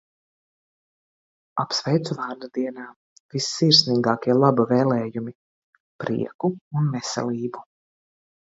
Apsveicu vārda dienā. Vissirsnīgākie laba vēlējumi. Prieku un veselību!